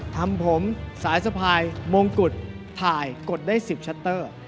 ทำผมสายสะพายมงกุฎถ่ายกดได้๑๐ชัตเตอร์